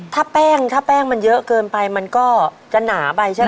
ถ้าแป้งถ้าแป้งมันเยอะเกินไปมันก็จะหนาไปใช่ไหม